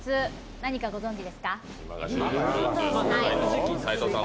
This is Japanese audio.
何かご存じですか？